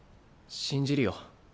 信じるよ。